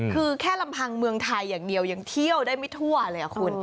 คือแค่ลำพังเมืองไทยอย่างเดียวยังเที่ยวได้ไม่ทั่วเลยคุณ